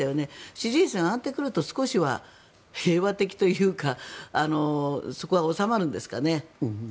支持率が上がってくると少しは平和的というかそこは収まるんですかね。